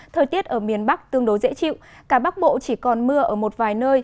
thời tiết ở miền bắc tương đối dễ chịu cả bắc bộ chỉ còn mưa ở một vài nơi